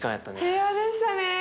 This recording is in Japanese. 平和でしたね。